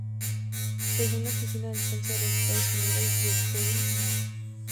Según la Oficina del Censo de los Estados Unidos, Du Quoin No.